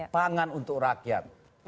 pangan untuk rakyat